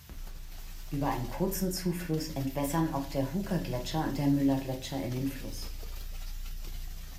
Über einen kurzen Zufluss entwässern auch der Hooker-Gletscher und der Mueller-Gletscher in den Fluss.